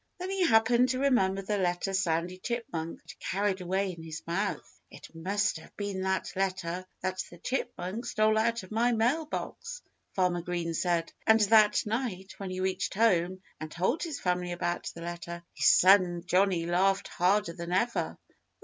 Then he happened to remember the letter Sandy Chipmunk had carried away in his mouth. "It must have been that letter that the chipmunk stole out of my mail box!" Farmer Green said. And that night, when he reached home and told his family about the letter, his son Johnnie laughed harder than ever.